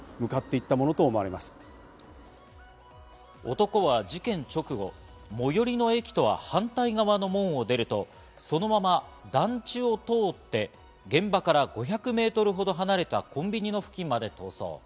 男は事件直後、最寄の駅とは反対側の門を出ると、そのまま団地を通って現場から５００メートルほど離れた、コンビニの付近まで逃走。